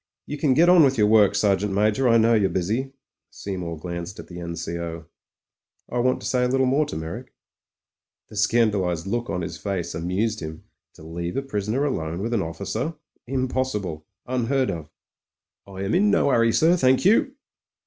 "You can get on with your work, Sergeant Major. I know you're busy." Seymour glanced at the N.C.O. "I want to say a little more to Meyrick." The scandalised look on his face amused him; to leave a prisoner alone with an officer — impossible, miheard of. 56 MEN, WOMEN AND GUNS it 1 am in no hurry, sir, thank you."